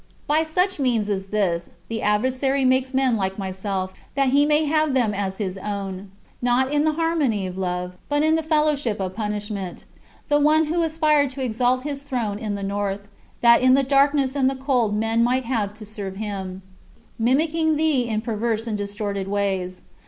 By such means as this, the adversary makes men like himself, that he may have them as his own, not in the harmony of love, but in the fellowship of punishment the one who aspired to exalt his throne in the north, that in the darkness and the cold men might have to serve him, mimicking thee in perverse and distorted ways.